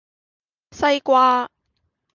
西瓜